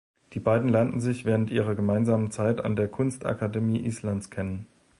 Die beiden lernten sich während ihrer gemeinsamen Zeit an der Kunstakademie Islands kennen.